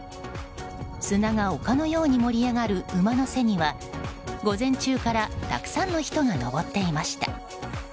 砂が丘のように盛り上がる馬の背には午前中からたくさんの人が登っていました。